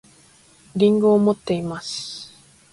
りんごを持っています